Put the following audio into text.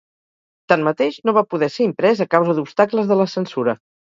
Tanmateix, no va poder ser imprès a causa d'obstacles de la censura.